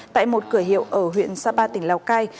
tại một cửa hiệu ở huyện sapa tỉnh lào cai